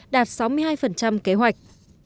đạt sáu mươi hai kế hoạch